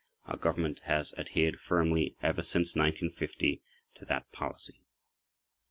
Our Government has adhered firmly ever since 1950 to that policy.